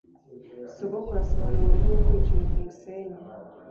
Sogokuru asobanura uburyo bwo gukora ikintu kumusenyi